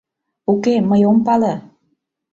— Уке, мый ом пале...